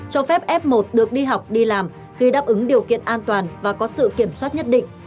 cho phép f một được đi học đi làm khi đáp ứng điều kiện an toàn và có sự kiểm soát nhất định